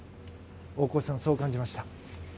大越さん、そう感じました。